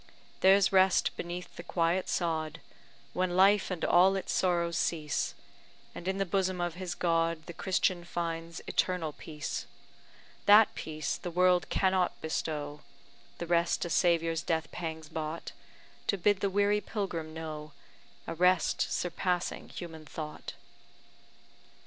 There's rest beneath the quiet sod, When life and all its sorrows cease, And in the bosom of his God The Christian finds eternal peace, That peace the world cannot bestow, The rest a Saviour's death pangs bought, To bid the weary pilgrim know A rest surpassing human thought.